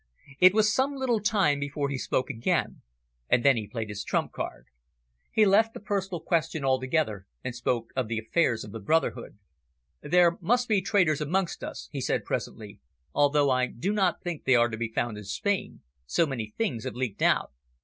It was some little time before he spoke again, and then he played his trump card. He left the personal question altogether, and spoke of the affairs of the brotherhood. "There must be traitors amongst us," he said presently, "although I do not think they are to be found in Spain so many things have leaked out."